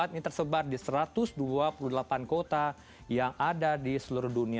ini tersebar di satu ratus dua puluh delapan kota yang ada di seluruh dunia